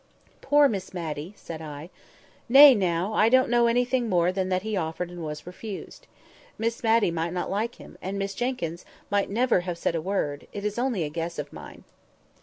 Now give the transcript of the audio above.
"Poor Miss Matty!" said I. "Nay, now, I don't know anything more than that he offered and was refused. Miss Matty might not like him—and Miss Jenkyns might never have said a word—it is only a guess of mine."